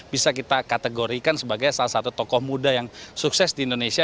bisa kita kategorikan sebagai salah satu tokoh muda yang sukses di indonesia